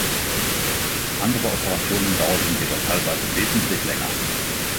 Andere Operationen dauerten jedoch teilweise wesentlich länger.